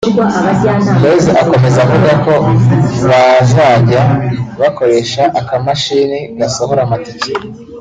Blaise akomeza avuga ko bazjya bakoresha akamashini gasohora amatike